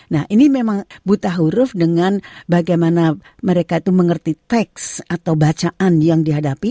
nah ini memang buta huruf dengan bagaimana mereka itu mengerti teks atau bacaan yang dihadapi